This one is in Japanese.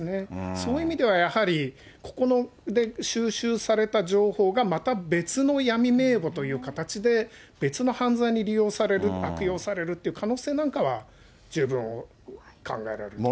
そういう意味ではやはり、ここで収集された情報が、また別の闇名簿という形で、別の犯罪に利用される、悪用されるって可能性なんかは、十分考えられると思います。